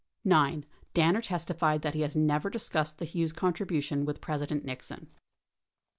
9. Danner testified that he has never discussed the Hughes con tribution with President Nixon.